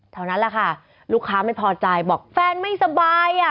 เท่านั้นแหละค่ะลูกค้าไม่พอใจบอกแฟนไม่สบายอ่ะ